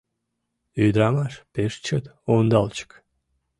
Ӱдырамаш пеш чот ондалчык.